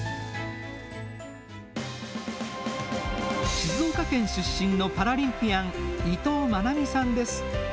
静岡県出身のパラリンピアン、伊藤真波さんです。